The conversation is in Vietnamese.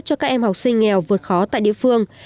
cho các em học sinh nghèo vượt khó tại địa phương